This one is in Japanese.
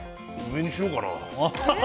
梅にしようかな。